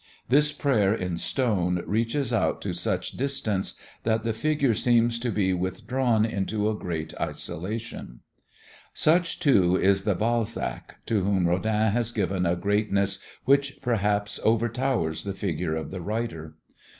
This Prayer in stone reaches out to such distance that the figure seems to be withdrawn into a great isolation. Such, too, is the "Balzac" to whom Rodin has given a greatness which, perhaps, overtowers the figure of the writer.